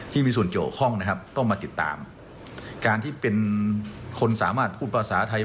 ที่มีส่วนเกี่ยวข้องนะครับต้องมาติดตามการที่เป็นคนสามารถพูดภาษาไทย